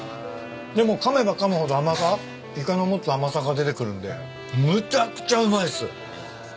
でもかめばかむほど甘さイカの持つ甘さが出てくるんでむちゃくちゃうまいっす。